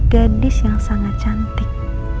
gadis yang sangat cantik